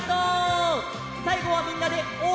さいごはみんなで「おーい」だよ！